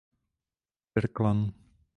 Der Clan.